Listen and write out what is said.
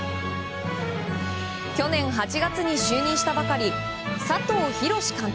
去年８月に就任したばかり佐藤洋監督。